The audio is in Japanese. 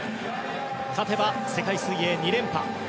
勝てば世界水泳２連覇。